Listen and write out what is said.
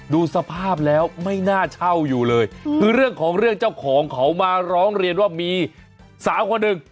ดูสภาพแล้วไม่น่าเช่าอยู่เลยคือเรื่องของเรื่องเจ้าของเขามาร้องเรียนว่ามีสาวคนหนึ่ง